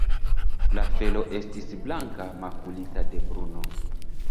La felo estis blanka, makulita de bruno.